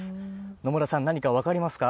野村さん、何か分かりますか？